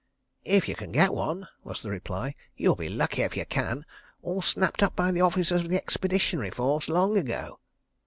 "If you can get one," was the reply. "You'll be lucky if you can. ... All snapped up by the officers of the Expeditionary Force, long ago."